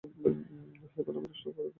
Haifa নামের উৎস এখনো পরিষ্কার জানা যায়নি।